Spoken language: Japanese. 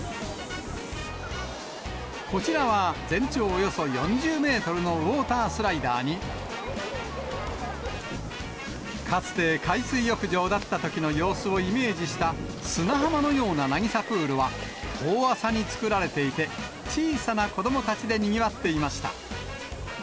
こちらは全長およそ４０メートルのウオータースライダーに、かつて海水浴場だったときの様子をイメージした砂浜のような渚プールは、遠浅に作られていて、小さな子どもたちでにぎわっていました。